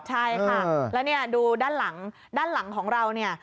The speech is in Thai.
ใช่ค่ะแล้วนี่ดูด้านหลังของเราเนี่ย